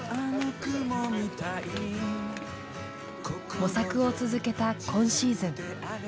模索を続けた今シーズン。